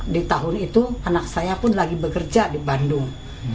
di tahun itu anak saya pun lagi bekerja di bandung